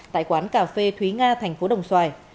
tại quán cà phê thúy nga thành phố đồng xoài